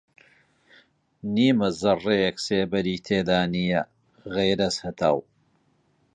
نیمە زەڕڕێک سێبەری تێدا نییە غەیرەز هەتاو